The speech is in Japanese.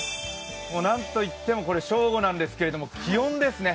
なんといっても正午なんですけど気温ですね。